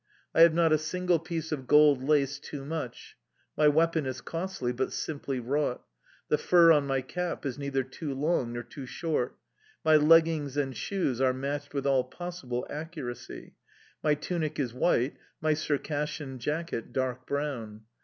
I have not a single piece of gold lace too much; my weapon is costly, but simply wrought; the fur on my cap is neither too long nor too short; my leggings and shoes are matched with all possible accuracy; my tunic is white; my Circassian jacket, dark brown.